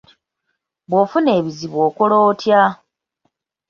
Bw’ofuna ebizibu okola otya?